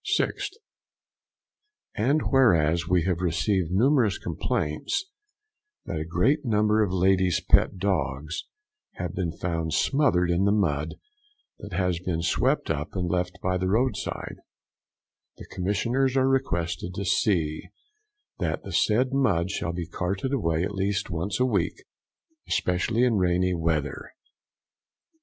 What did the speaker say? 6th. And whereas we have received numerous complaints that a great number of ladies' pet dogs having been found smothered in the mud that has been swept up and left by the roadside, the commissioners are requested to see that the said mud shall be carted away at least once a week, especially in rainy weather.